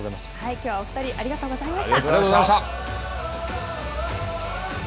きょうはお２人、ありがとうございました。